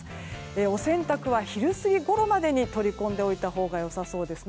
お洗濯は昼過ぎごろまでに取り込んでおいたほうが良さそうですね。